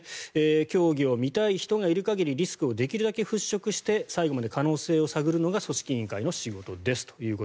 競技を見たい人がいる限りリスクをできるだけ払しょくして最後まで可能性を探るのが組織委員会の仕事ですと。